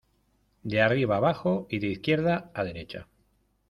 de arriba a bajo y de izquierda a derecha ;